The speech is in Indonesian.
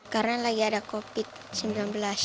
karena lagi ada covid sembilan belas